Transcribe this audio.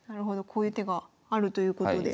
こういう手があるということで。